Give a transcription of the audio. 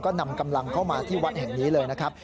ก็นำกำลังเข้ามาที่วัดแห่งนี้เลยนะครับ